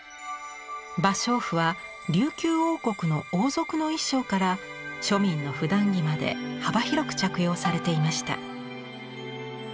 芭蕉布は琉球王国の王族の衣装から庶民のふだん着まで幅広く着用されていました。